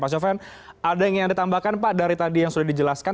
pak sofyan ada yang ditambahkan pak dari tadi yang sudah dijelaskan